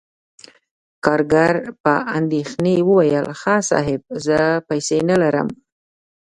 کارګر په اندیښنې وویل: "ښه، صاحب، زه پیسې نلرم..."